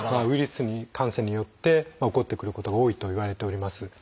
ウイルス感染によって起こってくることが多いといわれております。